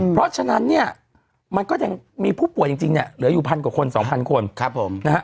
เพราะฉะนั้นมันก็มีผู้ป่วยจริงเหลืออยู่๑๐๐๐บาทกว่าคน๒๐๐๐คน